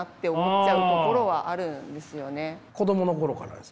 子どもの頃からですか？